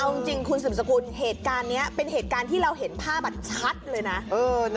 เอาจริงคุณสืบสกุลเหตุการณ์นี้เป็นเหตุการณ์ที่เราเห็นภาพชัดเลยนะ